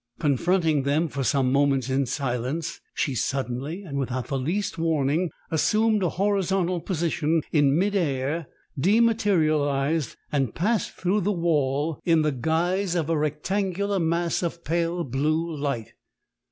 "Confronting them for some moments in silence, she suddenly and without the least warning assumed a horizontal position in mid air, dematerialised, and passed through the wall in the guise of a rectangular mass of pale blue light.